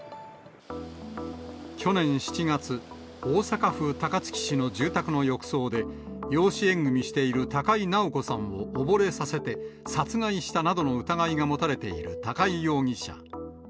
去年７月、大阪府高槻市の住宅の浴槽で、養子縁組みしている高井直子さんを溺れさせて、殺害したなどの疑いが持たれている高井容疑者。